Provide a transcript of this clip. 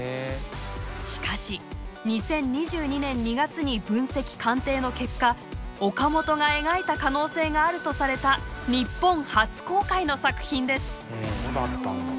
しかし２０２２年２月に分析・鑑定の結果岡本が描いた可能性があるとされた日本初公開の作品です。